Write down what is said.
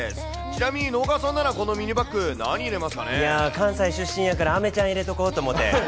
ちなみに直川さんならこのミニバいやー、関西出身やから、あめちゃん入れとこうと思って。